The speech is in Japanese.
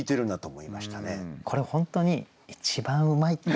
これ本当に一番うまいって思う。